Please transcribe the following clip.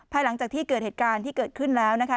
หลังจากที่เกิดเหตุการณ์ที่เกิดขึ้นแล้วนะคะ